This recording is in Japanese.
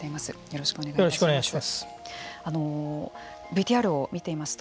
よろしくお願いします。